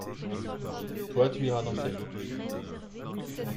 Toi tu iras danser ?